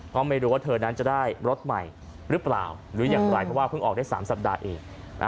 ก็ไม่รู้ว่าเธอนั้นจะได้รถใหม่หรือเปล่าหรืออย่างไรเพราะว่าเพิ่งออกได้๓สัปดาห์เอง